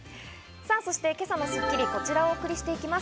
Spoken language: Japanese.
さぁ、そして今朝の『スッキリ』はこちらをお送りしていきます。